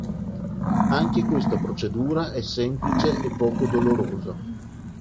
Anche questa procedura è semplice e poco dolorosa.